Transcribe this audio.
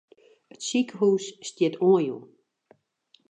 It sikehûs stiet oanjûn.